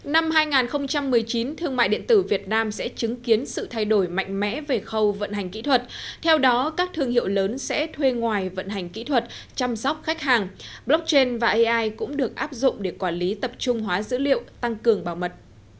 năm hai nghìn một mươi chín thương mại điện tử việt nam sẽ chứng kiến sự thay đổi mạnh mẽ về khâu vận hành kỹ thuật theo đó các thương hiệu lớn sẽ thuê ngoài vận hành kỹ thuật chăm sóc khách hàng blockchain và ai cũng được áp dụng để quản lý tập trung hóa dữ liệu tăng cường bảo mật